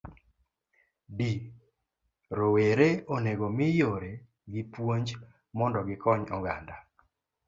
D. Rowere onego mi yore gi puonj mondo gikony oganda.